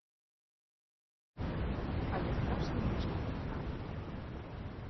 Але страшна мучылася там.